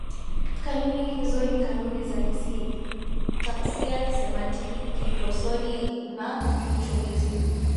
Kanuni hizo ni kanuni ya kisintaksia, kisemantiki, kiprosodi na kiuchomizi.